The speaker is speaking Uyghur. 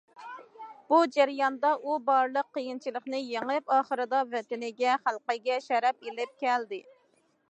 بۇ جەرياندا ئۇ بارلىق قىيىنچىلىقنى يېڭىپ، ئاخىرىدا ۋەتىنىگە، خەلقىگە شەرەپ ئېلىپ كەلدى.